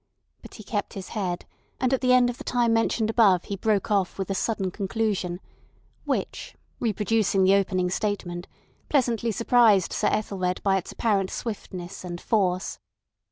But he kept his head, and at the end of the time mentioned above he broke off with a sudden conclusion, which, reproducing the opening statement, pleasantly surprised Sir Ethelred by its apparent swiftness and force.